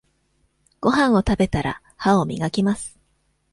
ごはんを食べたら、歯を磨きます。